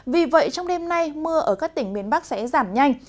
vì vậy trong đêm nay mưa ở các tỉnh miền bắc sẽ giảm nhanh